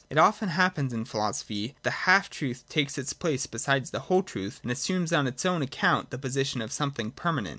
It often happens in philosophy that the half truth takes its place beside the whole truth and assumes on its own account the position of something permanent.